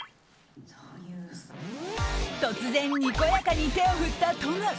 突然、にこやかに手を振ったトム。